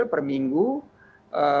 tempat kecil yang menengah yang besar